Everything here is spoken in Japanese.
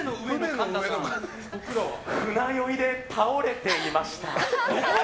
船酔いで倒れていました。